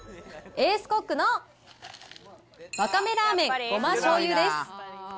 エースコックのわかめラーメンごま・しょうゆです。